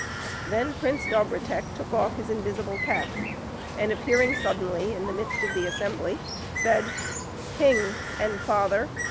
Then Prince Dobrotek took off his invisible cap, and appearing suddenly in the midst of the assembly, said: "King and father!